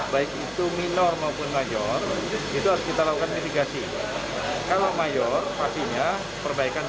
baik itu minor maupun major itu harus kita lakukan mitigasi kalau mayor pastinya perbaikan